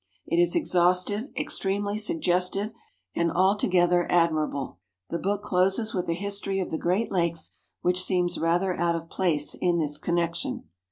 It is exhaustive, extremely sug gestive, and altogether admirable. The book closes with a history of the Great Lakes, which seems rather out of place in this connection.